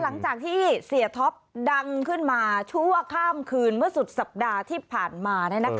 หลังจากที่เสียท็อปดังขึ้นมาชั่วข้ามคืนเมื่อสุดสัปดาห์ที่ผ่านมา